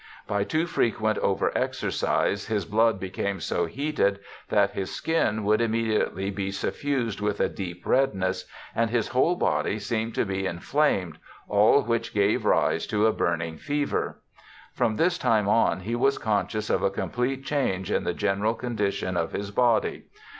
By too frequent over exercise his blood became so heated that his skin would immediately be suffused with a deep redness, and his whole body seemed to be inflamed, all which gave rise to a burning fever. From this time on he was conscious of a complete change in the general condition of his body.